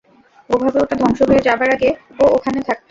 ও ভাবে ওটা ধ্বংস হয়ে যাবার আগে ও ওখানে থাকতো।